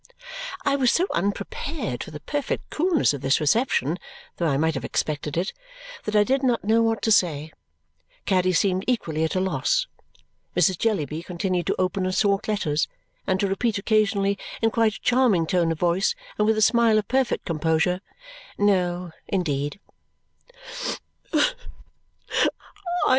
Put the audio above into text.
I was so unprepared for the perfect coolness of this reception, though I might have expected it, that I did not know what to say. Caddy seemed equally at a loss. Mrs. Jellyby continued to open and sort letters and to repeat occasionally in quite a charming tone of voice and with a smile of perfect composure, "No, indeed."